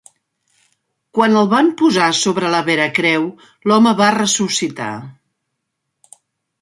Quan el van posar sobre la Veracreu l'home va ressuscitar.